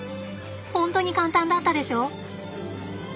本当に簡単だったでしょ？